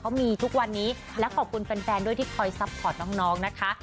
เขามีทุกวันนี้แล้วขอบคุณแฟนด้วยที่คอยน้องนะคะ